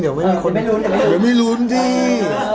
เดี๋ยวไม่รุ้นที่